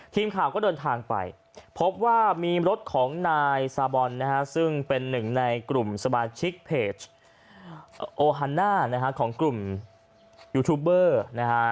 ทีมข่าวก็เดินทางไปพบว่ามีรถของนายซาบอนนะฮะซึ่งเป็นหนึ่งในกลุ่มสมาชิกเพจโอฮันน่านะฮะของกลุ่มยูทูบเบอร์นะฮะ